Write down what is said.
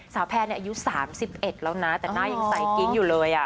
สาวแพนเนี่ยอายุ๓๑แล้วนะแต่หน้ายังใส่กิ๊งอยู่เลยอ่ะ